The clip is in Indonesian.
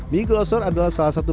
mie glosor adalah salah satu